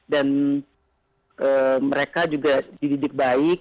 dan mereka juga dididik baik